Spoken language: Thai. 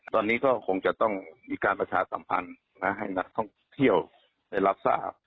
ตอนนี้ก็คงจะต้องมีการประชาสัมพันธ์ให้นักท่องเที่ยวได้รับทราบ